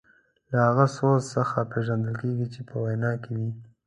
له هغه سوز څخه پېژندل کیږي چې په وینا کې وي.